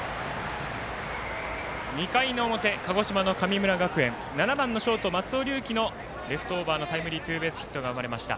２回の表、鹿児島の神村学園７番のショート、松尾龍樹のレフトオーバーのタイムリーツーベースヒットが生まれました。